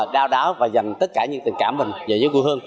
đau đáo và dành tất cả những tình cảm mình về quê hương